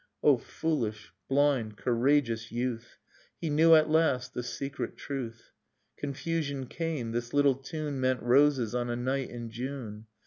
O foolish, blind, courageous youth! He knew at last the secret truth. Confusion came ... This little tune Meant roses on a night in June